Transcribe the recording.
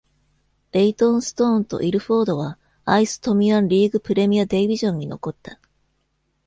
レイトンストーンとイルフォードはアイストミアンリーグプレミアディビジョンに残った。